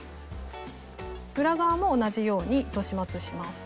裏側も同じように糸始末します。